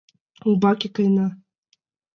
Умбаке каена.